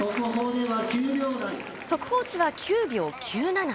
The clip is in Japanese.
速報値は９秒９７。